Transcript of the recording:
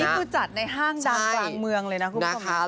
จัดในห้างดังกลางเมืองเลยนะคุณผู้ชม